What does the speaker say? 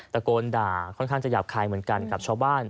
ตะโกนด่าตะโกนก้าวกลายอยากถ่ายกับชาวบ้าน